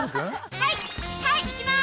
はいはい行きます！